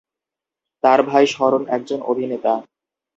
তার ভাই শরণ একজন অভিনেতা।